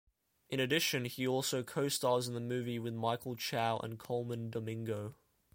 In addition he also co-stars in the movie with Michael Chow and Colman Domingo.